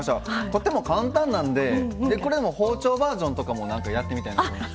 とても簡単なんででこれの包丁バージョンとかもやってみたいなと思いました。